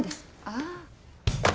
ああ。